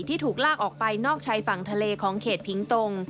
ถูกลากออกไปนอกชายฝั่งทะเลของเขตผิงตรง